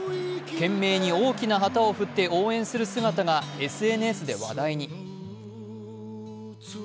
懸命に大きな旗を振って応援する姿がＳＮＳで話題に。